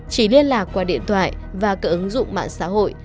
chỉ liên lạc qua điện thoại và các ứng dụng mạng xã hội